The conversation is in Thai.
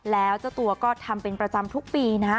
แล้วเจ้าตัวก็ทำเป็นประจำทุกปีนะ